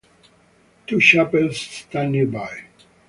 Two chapels stand nearby.